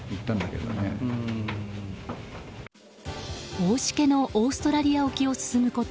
大しけのオーストラリア沖を進むこと